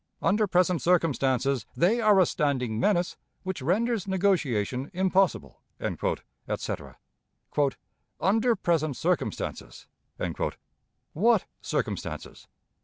Under present circumstances they are a standing menace, which renders negotiation impossible," etc. "Under present circumstances!" What circumstances?